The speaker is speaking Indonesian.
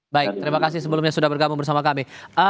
baik terima kasih sebelumnya sudah bergabung bersama kami